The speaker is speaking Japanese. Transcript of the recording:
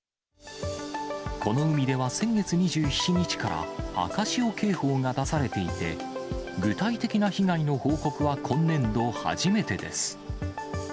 この海では先月２７日から赤潮警報が出されていて、具体的な被害の報告は今年度初めてです。